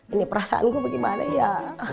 ini perasaan gue bagaimana ya